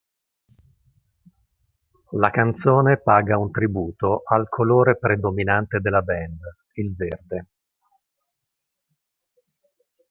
La canzone paga un tributo al colore predominante della band, il verde.